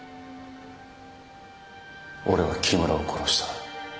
俺は木村を殺した。